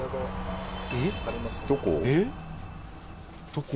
どこ？